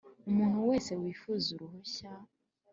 umuntu wese wifuza uruhushya